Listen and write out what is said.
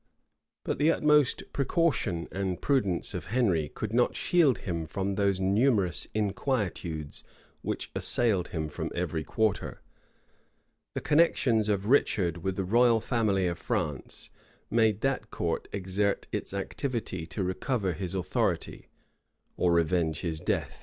But the utmost precaution and prudence of Henry could not shield him from those numerous inquietudes which assailed him from every quarter. The connections of Richard with the royal family of France, made that court exert its activity to recover his authority, or revenge his death.